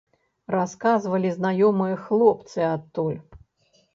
Расказвалі знаёмыя хлопцы адтуль.